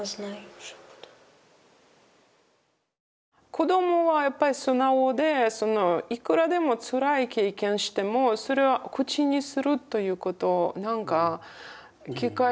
子どもはやっぱり素直でそのいくらでもつらい経験してもそれは口にするということをなんか機会が少ないかなと思って